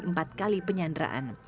keempat kali penyandraan